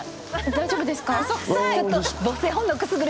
大丈夫ですあっ